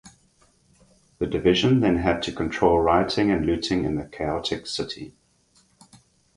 The division then had to control rioting and looting in the chaotic city.